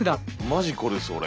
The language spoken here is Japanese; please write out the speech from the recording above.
マジこれです俺。